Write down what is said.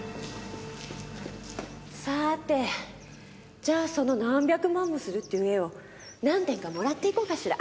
さあてじゃあその何百万もするっていう絵を何点かもらっていこうかしら。